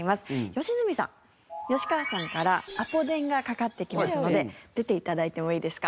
良純さん吉川さんからアポ電がかかってきますので出て頂いてもいいですか？